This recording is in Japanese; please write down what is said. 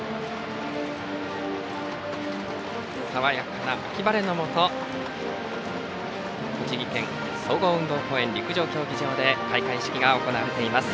爽やかな秋晴れのもと栃木県総合運動公園陸上競技場で開会式が行われています。